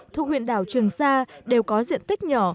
thuộc huyện đảo trường sa đều có diện tích nhỏ